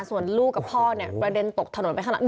ส่วนลูกกับพ่อเนี่ยกระเด็นตกถนนไปข้างหลัง